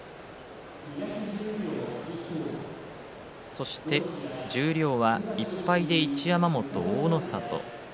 そして十両は１敗で一山本、大の里。